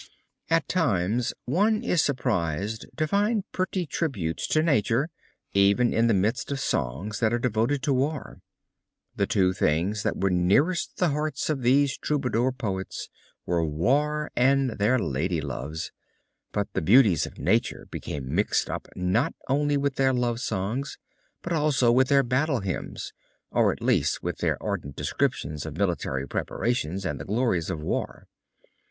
At times one is surprised to find pretty tributes to nature even in the midst of songs that are devoted to war. The two things that were nearest the hearts of these Troubadour poets were war and their lady loves, but the beauties of nature became mixed up not only with their love songs but also with their battle hymns, or at least with their ardent descriptions of military preparations and the glories of war.